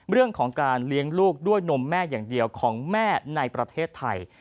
เรื่องของการเลี้ยงลูกด้วยนมแม่อย่างเดียวของแม่ในประเทศไทย